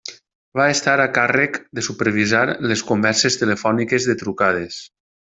Va estar a càrrec de supervisar les converses telefòniques de trucades.